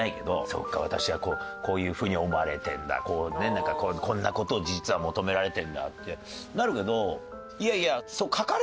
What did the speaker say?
そっか私はこういうふうに思われてるんだこうねなんかこんな事を実は求められてるんだってなるけどいやいや書かれてる事とかね